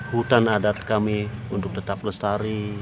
hutan adat kami untuk tetap lestari